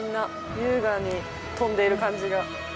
優雅に飛んでいる感じが。